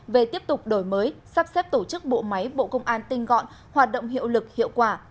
về tiếp tục đổi mới sắp xếp tổ chức bộ máy bộ công an tinh gọn hoạt động hiệu lực hiệu quả